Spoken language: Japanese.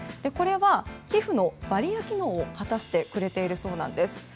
これは皮膚のバリア機能を果たしてくれているそうなんです。